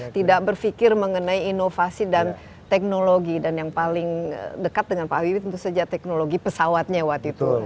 tidak berpikir mengenai inovasi dan teknologi dan yang paling dekat dengan pak habibie tentu saja teknologi pesawatnya waktu itu